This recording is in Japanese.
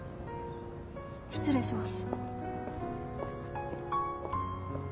失礼します。